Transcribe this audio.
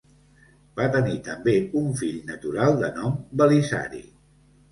Va tenir també un fill natural de nom Belisari.